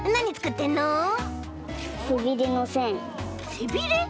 せびれ？